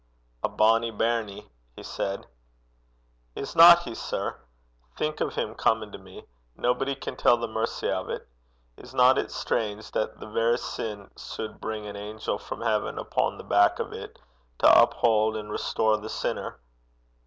'A bonnie bairnie,' he said, 'Isna he, sir? Think o' 'im comin' to me! Nobody can tell the mercy o' 't. Isna it strange that the verra sin suld bring an angel frae haven upo' the back o' 't to uphaud an' restore the sinner?